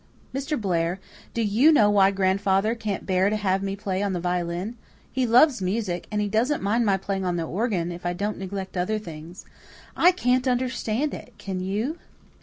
Mr. Blair, do you know why grandfather can't bear to have me play on the violin? He loves music, and he doesn't mind my playing on the organ, if I don't neglect other things. I can't understand it, can you?"